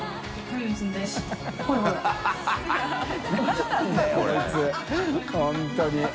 本当に。